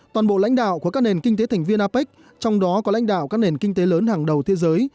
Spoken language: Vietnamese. toàn bộ lãnh đạo của các nền kinh tế thành viên apec trong đó có lãnh đạo các nền kinh tế lớn hàng đầu thế giới